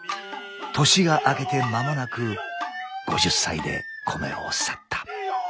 年が明けて間もなく５０歳でこの世を去った。